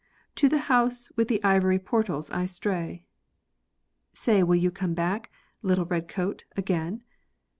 To the house with the ivory portals I stray. Say will you come back, little red coat, again